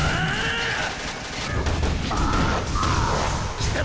貴様